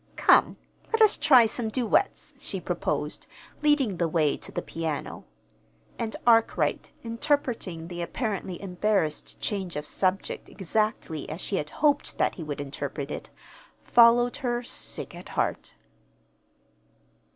"Come, let us try some duets," she proposed, leading the way to the piano. And Arkwright, interpreting the apparently embarrassed change of subject exactly as she had hoped that he would interpret it, followed her, sick at heart.